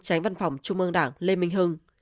tránh văn phòng trung ương đảng lê minh hưng